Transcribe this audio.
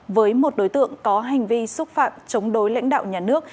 với một đối tượng có hành vi xúc phạm chống đối lãnh đạo nhà nước